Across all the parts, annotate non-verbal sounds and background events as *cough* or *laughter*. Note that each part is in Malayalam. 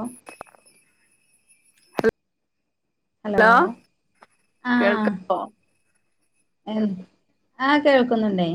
ഒഹ് ഹലോ ആഹ് കേൾക്കാവോ എൻ ആഹ് കേൾക്കുന്നുണ്ടേ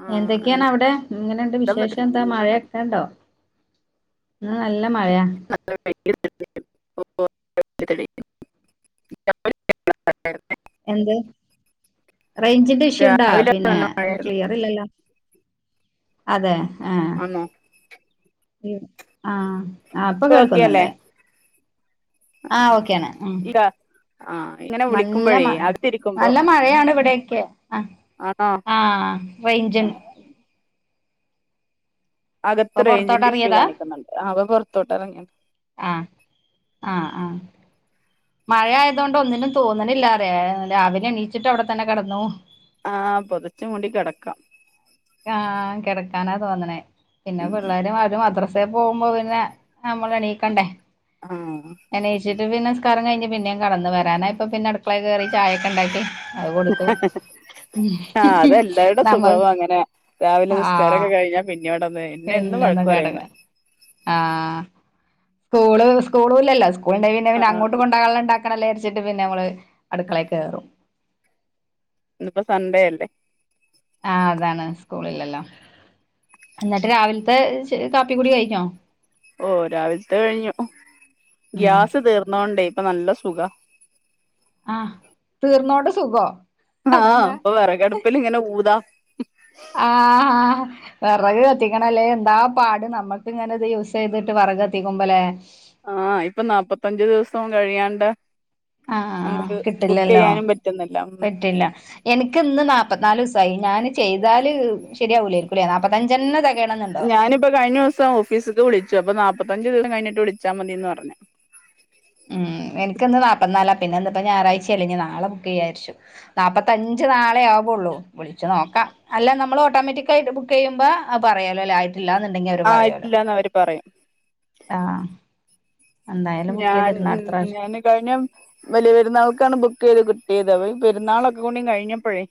ആഹ് എന്താ എന്തൊക്കെയാണവ്ടെ ഇങ്ങനെണ്ട് പരി വിശേഷംന്താ മഴയ കെണ്ടോ ന്ന് നല്ല മഴയാ *unintelligible* എന്ത് റൈഞ്ചിന്റെ ഇഷ്യൂണ്ടാ രാവിലെ പിന്നെ നല്ല മഴയായിരുന്നു ക്ലിയർ ഇല്ലല്ലോ അതെ ആഹ് ആന്നോ ഇവ്ട്ന്ന് ആഹ് ആഹ് ഇപ്പൊ ഓക്കെയല്ലേ പ്പകേൾക്കുന്നുണ്ടേ ആഹ് ഓക്കെയാണ് ഇല്ല ആഹ് ഇങ്ങനെ നല്ല വിളിക്കുമ്പോഴേ മഴ അകത്തിരിക്കുമ്പോ നല്ല മഴയാണ് ഇവിടെക്കെ ആഹ് ആണോ ആഹ് റൈഞ്ചൺ ഇപ്പൊ അകത്ത് പൊറത്തോട്ട് റൈജിന്റെ ഇഷ്യൂ എറങ്ങിയതാ കാണിക്ന്ന്ണ്ട് ആഹ് വൻ പൊറത്തോട്ടറിങ്ങ്യാൺ ആഹ് ആഹ് ആഹ് മഴാ ആയതോണ്ട് ഒന്നിനും തോന്ന്ണില്ലാറ്യ ഏഹ് രാവിലെ എണീച്ചിട്ട് അവ്ടതന്നെ കെടന്നൂ ആഹ് പൊതചച്ച് മൂടി കെടക്കാ ആഹ് കെടക്കാനാ തോന്ന്ണേ പിന്നെ ഉം പ്ള്ളേരുവാരു മാഡ്രസ്സ്‌ പ്രേ പോമ്പോ പിന്നെ അമ്മള് എണീക്കണ്ടേ ആഹ് എണീച്ചിട്ട് പിന്നസ്കാരം കയ്ഞ്ഞ്പിന്നേ കടന്നു വരാനായപ്പൊ പിന്നെ അട്ക്കളെൽ കേറി ചായക്കണ്ടാ ക്കി ചായൊക്കെണ്ടാക്കി ആഹ് അതെല്ലാവരുടെ നമ്മ സ്വൊഭാവം അങ്ങനെ രാവിലെ ആഹ് നിസ്കാരൊക്കെ കഴിഞ്ഞാ പി ന്ന്യവ്ടന്ന് ന്നെ എന്നും പിന്നൊന്ന് വഴക്ക് പറയും കിടക്ക ന്നേ ആഹ് സ്കൂള് സ്കൂളുല്ലല്ലോ സ്കൂളിണ്ടങ്ങി പിന്നെ പിന്നെ ആഹ് അങ്ങോട്ട് കൊൺ ടകളെണ്ടാക്കണല്ലേര്ച്ചിട്ട് പിന്നെമ്മള് അട്ക്കളേക്കേറും ഇന്ന്പ്പ സൺഡേ എല്ലേ ആഹ് താണ് സ്കൂളില്ലല്ലോ ന്നിട്ട് രാവിൽത്തെച് കാപ്പി കുടി കയ്ഞ്ഞോ ഓഹ് രാവിൽത്തെ കഴിഞ്ഞു ഉം ഗ്യാസ് തീർന്നോണ്ടേ ഇപ്പ നല്ല സുഖാ ആഹ് തീർന്നോണ്ട് സുഖോ ആഹ് അതെന്താ പ്പ വെറകട്പ്പില്ങ്ങനെ ഊതാ ആഹ് ആഹ് വെറക് കത്തിക്കണല്ലേ എന്താ പാട് നമ്മക്ക് ഇങ്ങനെത് യൂസെയ്ത്ട്ട് വറക് കത്തിക്കുമ്പലെ ആഹ് ഇപ്പൊ നാപ്പത്തഞ്ചു ദിവസം കഴിയാണ്ട്. ആഹ് നമുക്ക് ബുക്കെയ്യാനും പറ്റുന്നില്ല. ഇല്ല. എനിക്ക് ഇന്ന് നാപ്പത്ത്നാലൂസായി ഞാന് ചെയ്താല് ശരിയാവുലെയിരിക്കൂലേ നാപ്പത്തഞ്ചെന്നഞ തെ ഞാനിപ്പ കഴിഞ്ഞോസം ഓഫീസ്ക്ക് വിളിച്ചു അപ്പൊ നാപ്പത്തഞ്ച് ദിസം കഴിഞ്ഞട്ട് വിളിച്ചാൽ മതിന്ന് പറഞ്ഞു. ഉം എനക്ക്ന്ന് നാൽപ്പന്നാലാ പിന്നെന്താപ്പ ഞായറാഴ്ചേല്ലേ ഇനി നാളെ ബുക്കെയ്യാരിച്ചു. നാപ്പത്തഞ്ച് നാളെ ആവുള്ളൂ, വിളിച്ച് നോക്കാ അല്ല നമ്മൾ ഓട്ടോമാറ്റിക് ആയിട്ട് ബുക്കെയ്യുമ്പാ അത് പറയാലോല്ലേ ആ ട്ടില്ലാന്നുണ്ടെങ്കി അവര് പറയോലോ ആയിട്ടില്ലാന്ന് അവര് പറയും ആഹ്, എന്തായാലും ബുക്ക് ഞാൻ ചെയ്തിടണം ഉ അടുത്ത പ്രാവശ്യം ഞാന് കഴിഞ്ഞ വലിയ പെരുന്നാൾക്കാണ് ബുക്കെയ്ത് കിട്ടിയത് അപ്പ പെരുന്നാളൊക്കെ കൂടി കഴിഞ്ഞപ്പോഴേ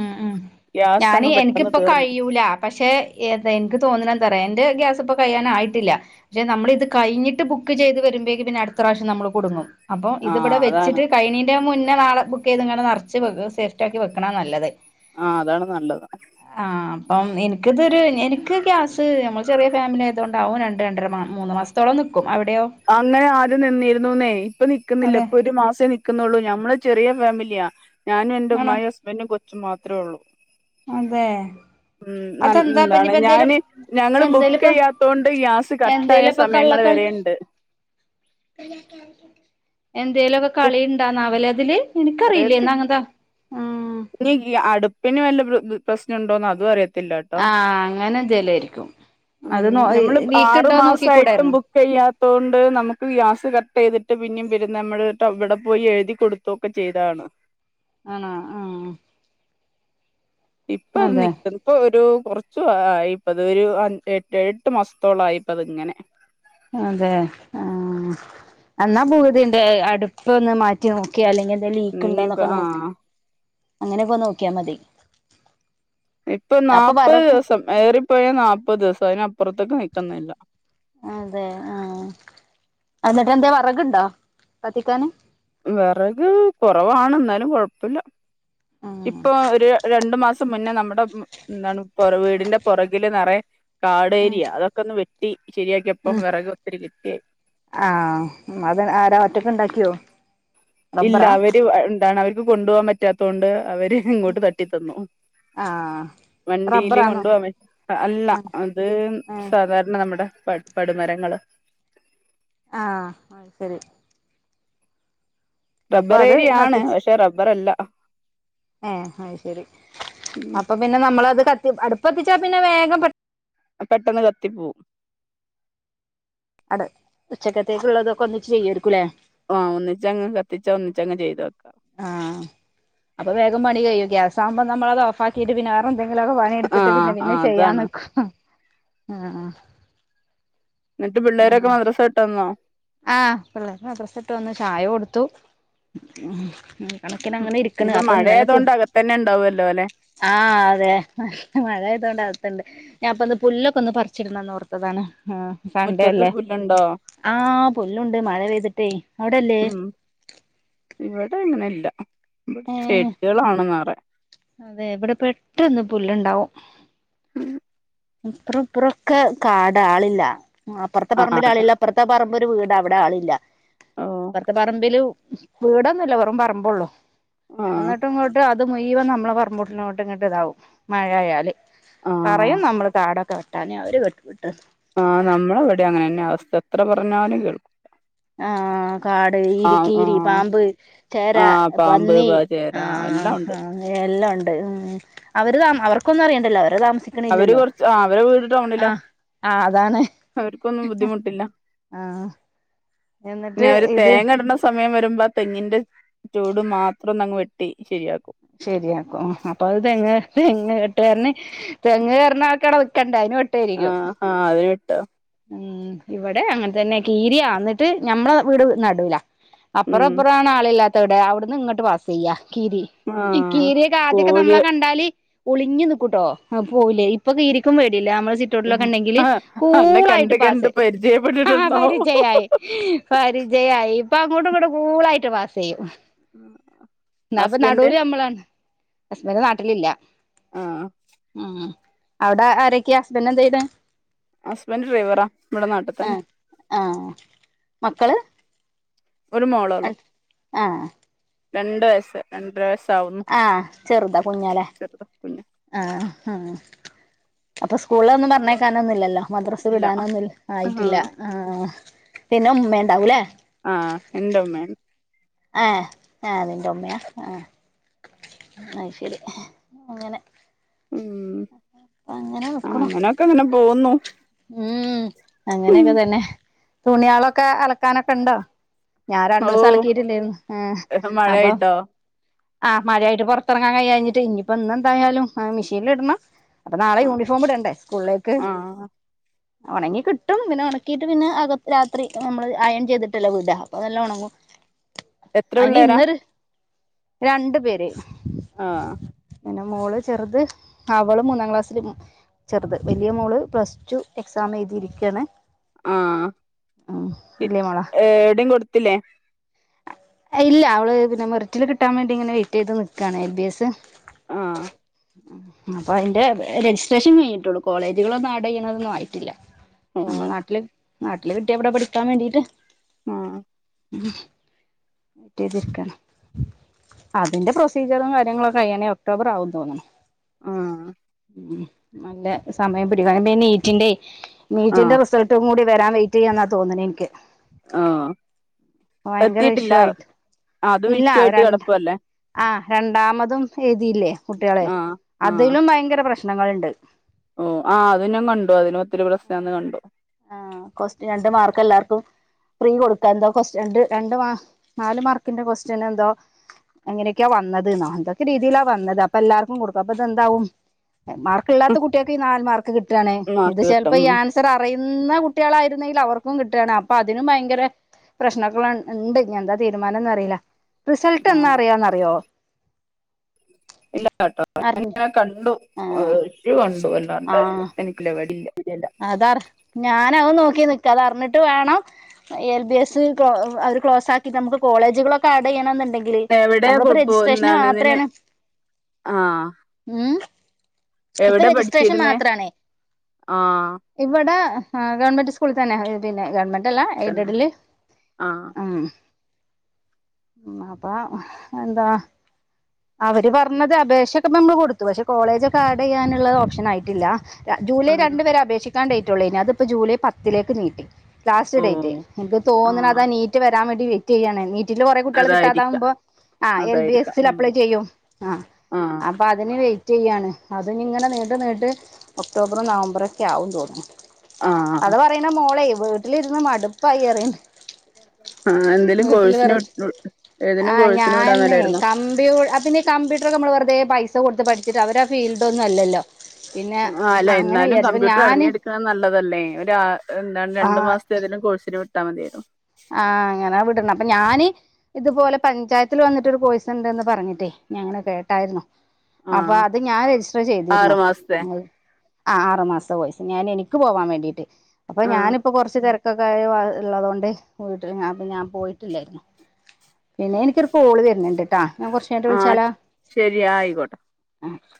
ഉം ഉം ഗ്യാസ് ഞാന് അങ്ങ് പെട്ടെന്ന് എനിക്കിപ്പ തീർന്നു കഴിയൂല പക്ഷെ. ഏതാ എനിക്ക് തോന്നുന്ന എന്താറയാ എന്റെ ഗ്യാസ് ഇപ്പോ കഴിയാൻ ആയിട്ടില്ല. പക്ഷെ നമ്മളിത് കയിഞ്ഞിട്ട് ബുക്ക് ചെയ്ത് വരുമ്പേക്ക് പിന്നെ അടുത്തറാശം നമ്മള് കുടുങ്ങും. അപ്പോ ആഹ് ഇതിവിടെ അതാണ് വെച്ചിട്ട് കഴിയണീന്റെ മുന്നേ നാളെ ബുക്കെയ്ത് ഇങ്ങന നറച്ച് വെക്ക സേഫ്റ്റി ആക്കി വെക്ക ക്കണാ നല്ലത് ആഹ് അതാണ് നല്ലത്. ആ അപ്പം എനിക്കിതൊരു എനിക്ക് ഗ്യാസ് ഞമ്മൾ ചെറിയ ഫാമിലി ആയതുണ്ടാവും രണ്ട് രണ്ടര മാ മൂന്ന് മാസം ത്തോളം നിൽക്കും അവിടെയോ? അങ്ങനെ ആദ്യം നിന്നിരുന്നുന്നേ ഇപ്പൊ നിക്കുന്നില്ല അതെ ഇപ്പൊ ഒരു മാസേ നി ക്കുന്നുള്ളൂ ഞമ്മള് ചെറിയ ഫാമിലിയാ ഞാനും ആണോ എന്റെമ്മായും ഹസ്ബൻറും കൊച്ചും മാത്രൊള്ളൂ. അതെ ഉം നല്ല് അതെന്താ ഇപ്പ എന്താണ് ഇനിയിപ്പ എന്തേലും ഞാന് ഞങ്ങള് എന്തേലും ഇപ്പൊ ബുക്കെയ്യാത്തൊണ്ട് ഗ്യാസ് കട്ടായ സമയങ്ങൾ വരെണ്ട് അ എന്തേലൊക്കെ കളി ഉണ്ടാന്നാവലെ അതില് എനിക്കറിയില്ലേ അറിയത്തി എന്നാ അങ്ങൻതാ ഇനി ഈ അ അടുപ്പിന് വല്ല ബ് ബ് പ്രശ്നൊണ്ടോന്ന് അതും അറിയത് ആഹ് അങ്ങനെ എന്തേലു ആരിക്കും ഉം അത് നോ ഇ ലീക്ക് ഇണ്ടോന്ന് നോക്കി കൂടായിരുന്നോ? കഴ്യാത്തൊണ്ട് നമുക്ക് ഗ്യാസ് കട്ടെയ്തിട്ട് പിന്നും വരുന്ന നമ്മൾക്കവ്ടെ പോയി എഴുതി കൊടുത് ഒക്കെ ചെയ്താണ്. ആണ ആഹ് ഇപ്പ അത് അതെ നിക്കുന്നു.. ഇപ്പോ ഒരു കൊറച്ച് ആയിപ്പത് ഒരു അൻ എട്ട് ഏഴെട്ട് മാസത്തോളായിപ്പതിങ്ങനെ അതെ ആ എന്നാ ഭൂതിന്റെ അടുപ്പൊന്ന് മാറ്റി റ്റി നോക്കിയ അല്ലെങ്കിൽ എന്താ ഇനിയിപ്പ ലീക്കിണ്ടോന്നൊക്കെ നോ ആഹ് അങ്ങനെയൊക്കെ നോക്കിയാൽ മതി. ഇപ്പൊ അപ്പൊ നാപ്പത് വറക് ദിവസം ഏറിപ്പോയ നാപ്പത് ദിവസം അതിനപ്പുറത്തേക്ക് നിക്കുന്നില്ല. അതെ ആഹ് അന്നിട്ട് എന്തേ വറക്ണ്ടോ കത്തിക്കാന്? വെറക് കൊറവാണ് എന്നാലും കൊഴപ്പില്ല ഉം ഇപ്പൊ ഒരു ര രണ്ടു മാസം മുന്നേ നമ്മുടെ മ് എന്താണ് പൊറക് വീടിന്റെ പൊറകില് നിറയ ഉം കാടേരിയ അതൊക്കെ ഒന്ന് വെട്ട് ട്ടി ശരിയാക്കിയപ്പൊ ഉം വിറക് ഒത്തിരി കിട്ടി ആഹ് അത് ആരാ ഒറ്റക്കെണ്ടാക്കിയോ? ഇല്ല അവര് എന്താണ് അവർക്ക് കൊണ്ടുപോകാൻ പറ്റാത്ത കൊണ്ട് അവര് ഇങ്ങോട്ട് തട്ടിത്തന്നു. ആഹ് വണ്ടിയില് റബ്ബറാന്നോ കൊണ്ടുപോവാൻ അല്ല ആഹ് അത് ആഹ് സാധാരണ നമ്മുടെ പ പടുമരങ്ങള് ആഹ് അഹ് ശരി അപ്പൊ റബ്ബർ അത് ഏരിയാണ് കത്തിച്ച് പക്ഷെ റബ്ബറല്ല, ഏഹ് അഹ് ശരി ഉം അപ്പൊ പിന്നെ നമ്മളത് കത്തി അടുപ്പത്തിച്ചാ പിന്നെ വേഗം പെ പെട്ടെന്ന് കത്തിപ്പോവും. അട ഉച്ചക്കത്തേക്കുള്ളതൊക്കെ ഒന്നിച്ച് ചെയ്യായിരിക്കൂല്ലേ? ആഹ് ഒന്നിച്ചങ് കത്തിച്ചാ ഒന്നിച്ചങ്ങ് ചെയ്തു വെക്കാം. ആഹ് അപ്പൊ വേഗം പണി കഴ്യോ ഗ്യാസാകുമ്പോ നമ്മളത് ഓഫ് ആകീയിട്ട് പിന്നേറെന്തെങ്കിലൊക്കെ പണി ടുത്ട്ട് ആഹ് പിന്നെ ആ പിന്നെ ചെയ്യാ അതാണ് നിക്കു ആഹ് ആഹ് ന്നട്ട് പിള്ളേൊരൊക്കെ അങ്ങനെ മദ്രാസട്ടന്നോ? ആഹ് പിള്ളാര് മദ്രസ്സട്ട് വന്ന് ചായ കൊടുത്തു കണക്കിന് ഉം അങ്ങനെ ഇരിക്ണ് ഇനിയിപ്പ അപ്പോ ഇന്നലത്തോ മഴയായതുകൊണ്ട് അകത്തന്നെ ഉണ്ടാവുമല്ലോ അല്ലെ ആഹ് അതെ മഴ ആയതോണ്ട് അകത്തുണ്ട് ഞാൻപ്പം ഇന്ന് പുല്ലൊക്കെ ഒന്ന് പറിച്ചിട്ണംന്ന് ഓർത്തതാണ് ആഹ് മുറ്റത്ത് സൺഡെല്ലേ പുല്ലുണ്ടോ ആഹ് പുല്ലും ണ്ട് മഴ പെയ്തിട്ടേ അവിടെ ല്ലേ ഉം ഇവിടെ ഇങ്ങനെ ഇല്ല ഇവിടെ ഏഹ് ചെടികളാണ് നറയെ അതെ ഇവിടെ പെട്ടന്ന് പുല്ലുണ്ടാവും അപ്പറം ഇപ്പറൊക്കെ കാട ആളില്ല അപ്പോറത്തെ ആ പറമ്പിൽ അതെ ആളില്ല പ്പറത്തെ പറമ്പ് ഒരു വീടാ അവിടെ ആളില്ല ഓ ഇപ്പറത്തെ പറമ്പിലും വീടന്നും ഇല്ല വെറും പറമ്പോള്ളൂ ആ എന്നിട്ട് ഇങ്ങോ ട്ട് അത് മുഴുവം നമ്മളെ പറമ്പൂട്ടിലോട്ട് ഇതാവും മഴയാല് ആ പറയും നമ്മൾ കാടൊക്കെ വെട്ടാൻ അവര് *unintelligible* വിട്ട് ആഹ് നമ്മളെവിടെ അങ്ങനെന്നെ അവസ്ഥ എത്ര പറഞ്ഞാലും കേൾക്കും ആഹ് കാട് ആ ഈരി കീരി ആ പാമ്പ് ചേര ആഹ് പാമ്പ് പന്നി പ ചേര ആഹ് എല്ലാം ഉണ്ട് ഹാ എല്ലാം ഉണ്ട് ഉം അവര് ത അവർക്കൊന്നും അറിയണ്ടല്ലോ അവര് താമസി അവര് കൊറച്ച് ആഹ് അവരെ വീട് ടൗണില ആഹ് അതാണ് ആഹ് ഞ് അവര് തേങ്ങ ഇട്ണ സ് സമയം വരുമ്പോ തെങ്ങിന്റെ ചോട് മാത്രം നങ്ങ് വെട്ടി ശരിയാക്കും ശരിയാക്കോ അപ്പോ അഹ് തെങ്ങ് കെട്ട് കാരന് തെങ്ങ് കേറ്ണ ആൾക്കടെ നിക്കേണ്ടേ അയ്ന് വെ ആഹ് ആഹ് അഹ് വെട്ടും ഉം ഇവിടെ അങ്ങൻ തന്നെ കീരിയാ എന്നിട്ട് ഞമ്മളെ വീട് നടൂല അപ്പറം ഉം ഇപ്പറം ആണ് ആളില്ലാത്തവിടെ അവിടന്ന് ഇങ്ങട്ട് പാസിയ്യാ കീരി ഇ ആഹ് കീരിയേകെ ആദ്യക്കെ കോഴി നമ്മളെ കണ്ടാല് ഒളിഞ്ഞു നിക്കും ട്ടോ അഹ് പോവുലെ ഇപ്പം കീരിക്കും പേടില്ല നമ്മളെ സി റ്റൗട്ടിലൊക്കെ ണ്ടെങ്കിൽ ആഹ് അന്നെ കണ്ട് കൂളായിട്ട് കണ്ട് പാസിയും ആഹ് ആഹ് പരിചയപ്പെട്ടിട്ടുണ്ടാവും പരിചയായി പരിചയായി ഇപ്പം അങ്ങോട്ടും ഇങ്ങോട്ടും കൂളായിട്ട് പാസിയ്യും ഇന്നാപ്പോ ന ഹസ്ബൻഡ് മ്മളാണ് ഹസ്ബന്റ് നാട്ടിലില്ല ആഹ് ഉം അവിടെ ആരൊക്കെ ഹസ്ബന്റ് എന്ത ചെയ്യ്ണ് ഹസ്ബന്റ് ഡ്രൈവറാ ഇവിടെ നാട്ടി തന്നെ ഏഹ് മക്കള് ഒരു മോളോള്ളൂ ഏഹ് രണ്ട് വയസ്സ് രണ്ടര വയസ്സ് ആഹ് ചെറുതാ കുഞ്ഞാ ലെ ചെറുതാ കുഞ്ഞ് ആഹ് ആഹ് അപ്പോ സ്കൂളിലൊന്നും പർഞ്ഞേക്കാനൊന്നുല്ലല്ലോ മദ്രസ് ഇല്ല വിടാനൊന്നും ആഹ് ആയിട്ടില്ല. ആഹ് പിന്നെ ഉമ്മെണ്ടാവും ലെ ആഹ് എന്റെ ഉമ്മേ ഏഹ് ഏ നിന്റൊമ്മയാ ആ അഹ് ശരി അങ്ങനെ ഉം അങ്ങനെ ആഹ് നിക്കണു അങ്ങനൊക്കങ്ങന പോവുന്നു ഉം ഉം അങ്ങനെയൊക്കെ തന്നെ തുണിയാളൊക്കെ അലക്കാനൊക്കെണ്ടോ ഞാ ഓ രണ്ടൂസം അലക്കീട്ടില്ലേന്നു, ഏഹ് അപ്പം മഴയായിട്ടോ ആഹ് മഴയായിട്ട് പൊറത്തറങ്ങാൻ കയ്യാഞ്ഞിട്ട് ഇനിയിപ്പം ഇന്നെന്തായാലും ഏഹ് മിഷീൻല്ടണം അപ്പോ നാളെ യൂണിഫോമ്ടണ്ടെ സ്കൂൾലേക്ക് ആഹ് ഒണങ്ങി കിട്ടും പിന്നെ ഒണക്കിയിട്ട് പിന്നെ അക രാത്രി നമ്മള് അയൻ ചെയ്തിട്ടല്ലോ വിട അപ്പോ നല്ല ഒണങ്ങും എത്ര അയ്ന് പിള്ളേരാ ഇന്നൊരു രണ്ട് പേര് ആ പിന്നെ മോള് ചെറുത് അവള് മൂന്നാം ക്ലാസ്സില് ചെർത്, വല്യ മോള് പ്ലസ് റ്റു എക്സാം എഴുതിയിരിക്കാണ് ആഹ് പി വലിയ മോളാ ഏട്യും കൊട്ത്തിലേ ഇല്ല അവള് പിന്നെ മെറിറ്റിൽ കിട്ടാൻ വേണ്ടി ഇങ്ങനെ വെയിറ്റ് ചെയ്ത് നിൽക്കാണ് എൽ ബി എസ് ആഹ് അപ്പൊ അയ്ന്റെ രജിസ്ട്രേഷൻ കഴിഞ്ഞിട്ടൊള്ളൂ കോളേജുകളൊന്നും ആഡ് ചെയ്യണതൊന്നും ആയിട്ടില്ല ഓ നമ്മള നാട്ടില് നാട്ടില് കിട്ടിയ വടെ പഠിക്കാൻ വേണ്ടീട്ട് ആഹ് ഉം റ്റയ്തിരിക്കാണ് അതിന്റെ പ്രൊസീജറും കാര്യങ്ങളൊക്കെയ്യണേ ഒക്ടോബറാകും തോന്ന്ണ് ആഹ് ഉം നല്ല സമയം പിടിക്കും അയ്നിപ്പോ ഈ നീറ്റിന്റെയ് ആ നീറ്റിന്റെ റിസൾട്ടും കൂടി വരാൻ വൈ റ്റെയ്യാന്നാ തോന്ന്ണെ ഇൻക്ക് ആഹ് പ്പെത്തിയിട്ടില്ല ഇഷ്യൂ ആയിട്ട് അത് വിഷയായിട്ട് കെടപ്പല്ലേ ആഹ് രണ്ടാമതും എഴുതിയില്ലേ കുട്ടികള്, ആ ആ അതിലും ഭയങ്കര പ്രശ്നങ്ങൾണ്ട് ഓ ആഹ് അത് ഞാൻ കണ്ടു അതിന് ഒത്തിരി പ്രശ്നംന്ന് കണ്ടു ആ കൊസ്റ്റ് രണ്ട് മാർക്കെല്ലാർക്കും ഫ്രീ കൊടുക്കാ എന്തോ ക്സ്റ്റ രണ്ട് മാ നാല് മാർക്കിന്റെ ക്വസ്റ്റനെന്തോ അങ്ങനെയൊക്കെയാ വന്നത് ന്നോ എന്തൊക്കെ രീതിയിലാ വന്നത് അപ്പല്ലാർക്കും കൊടുക്കും അപ്പതെന്താവും മാർ ക്ക്ല്ലാത്ത കുട്ട്യാക്ക് ഈ നാല് മാർക്ക് കിട്ടാണ്. മാർക്ക് ചെൽപ്പ കിട്ടും ഈ ആൻസ് റയുന്ന കുട്ടികളായിരുന്നെങ്കിൽ അവർക്കും കിട്ടാണ് അപ്പതിനും ഭയങ്കര പ്രശ്നക്കൊവണ്ട് എന്താ തീരുമാനംന്ന് അറീല, റിസൾട്ട് ആ എന്നാ അറിയാന്നറിയോ ഇല്ല ട്ടോ അറിഞ്ഞ് ഞാനിങ്ങനെ കണ്ടു ആഹ് കണ്ടു എല്ലാണ്ട് എനി ഇല്ല വരില്ല ഇല്ലല്ലാ അതർ ഞാനവും നോക്കി നിക്കാ അതർഞ്ഞിട്ട് വേണം എൽ ബി എസ് ക്ലോ അവര് ക്ലോസാക്കിട്ട് നമുക്ക് കോളേജുകളൊക്കെ ആഡ് ചെയ്യണന്നുണ്ടെ- ങ്കില്. എവിടെയാ കൊ നമ്മളിപ്പോ രജിസ്ട്രേഷന് എന്താണ് ഇതിന് മാത്രേണ് ആ ഉം ഇപ്പ എവിടെ രജിസ്ട്രേഷൻ പഠിച്ചിരുന്നേ മാത്രാണ് ആഹ് ഇവടെ ഏ ഗവൺമെന്റ് സ്കൂളി തന്നെ *unintelligible* ഗവൺമെന്റ് അല്ല തന്നെ എയ്ഡഡിൽ ആഹ് ഉം ഉം അപ്പ എന്താ അവര് പറഞ്ഞത് അപേക്ഷൊക്കെ നമ്മള് കൊടുത്തു പക്ഷെ കോളേജ് ഒക്കെ ആഡ് യ്യാനുള്ളത് ഓപ്ഷൻ ആയിട്ടില്ല ജൂലൈ ആഹ് രണ്ട് വരെ അപേക്ഷിക്കാൻ ഡേയിറ്റുള്ളേയിന്നു അതിപ്പ ജൂലൈ പത്തിലേക്ക് നീട്ടി ലാസ്റ്റ് ഓ ഡേറ്റ് എനിക്ക് ആഹ് തോന്നണതാ നീറ്റ് വരാൻ വേണ്ടി വെറ്റ് ചെയ്യണങ്കിൽ റ്റില് കുറെ കുട്ടികൾ അതായിരിക്കാം കിട്ടാതാവുമ്പോ ആ എൽ ബി അതായിരിക്കാം എസ്ൽ ഉം അപ്ലൈ ചെയ്യും ആഹ് ആഹ് അപ്പോ അതിന് വെയിറ്റ് ചെയ്യുകയാണ് അത് നി ഇങ്ങനെ നീണ്ട് നീണ്ട് ഒക്ടോബറും നവം ബറൊക്കെ ആകും തോന്നുണു ആഹ് അത് ആഹ് പറയ്ണ് മോളെ വീട്ടിലിരുന്ന് മടുപ്പായിറയ ആ എന്തേലും കോഴ്സിന് ഏതേലും കോഴ്സിനെ വിടാൻ മേലായിരുന്നോ ബിയൂ അതിന് കമ്പ്യൂട്ടർക്കെ നമ്മള് വെറുതെ പൈസ കൊടുത്ത് പഠിച്ചിട്ട് അവര് ഫീൽഡോന്നും അല്ലല്ലോ പിന്നെ ആഹ് അല്ല അങ്ങനെ എന്നാലും *unintelligible* കമ്പ്യൂട്ടർ അറിഞ്ഞെടുക്കുന്നത് നല്ലതല്ലേ ഒരാ എന്താണ് ആ രണ്ടു മാസത്ത എതേലും കോഴ്സിന് വിട്ടാൽ മതിയരുന്നു ആഹ് അങ്ങനെ വിടന്ന അപ്പൊ ഞാന് ഇതുപോലെ പഞ്ചായത്തിൽ വന്നിട്ടൊരു കോഴ്സ്ണ്ടന്ന് പറഞ്ഞിട്ടേ ഞങ്ങനെ കേട്ടായിരുന്നു അപ്പൊ ആഹ് അത് ഞാൻ രജിസ്റ്റർ ആറു ചെയ്തിരിന്നു മാസത്തെ അ ആഹ് ആറ് മാസത്തെ കോഴ്സ് ഞാൻ എനിക്ക് പോവാൻ വേണ്ടീട്ട് അപ്പൊ ആഹ് ഞാനിപ്പോ കൊറച്ച് തെര കൊക്കെ ആയ വ ഇള്ളതോണ്ട് പോയിട്ട് അപ്പ ഞാൻ പോയിട്ടില്ലായിന്നു പിന്നെ എനിക്കൊരു കോള് വരുന്നണ്ട്ട്ടാ ഞാൻ കൊറച്ച് കഴിഞ്ഞിട്ട് ആഹ് വിളിച്ചാലോ ശരി ആയിക്കോട്ടെ ആഹ്